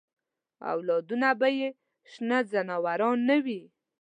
اولادونه به یې شنه ځناور نه وي.